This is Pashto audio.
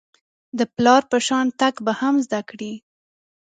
د پلار په شان تګ به هم زده کړئ .